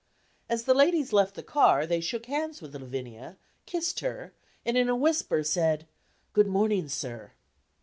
As the ladies left the car, they shook hands with Lavinia, kissed her, and in a whisper said "good morning, sir."